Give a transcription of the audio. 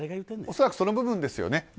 恐らく、その部分ですよね。